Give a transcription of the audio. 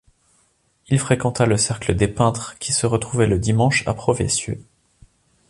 Il fréquenta le cercle des peintres qui se retrouvaient le dimanche à Proveysieux.